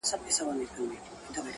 د رنگونو په کتار کي يې ويده کړم!!